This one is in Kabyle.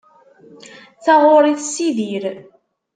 Taɣuri tessidir.